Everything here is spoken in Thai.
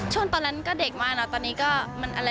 ช่วงตอนนั้นก็เด็กมาเนอะ